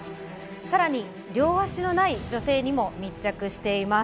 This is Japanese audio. さらに両脚のない女性にも密着しています。